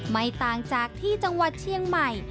ไม่ต่างจากที่จังหวัดเชียงใหม่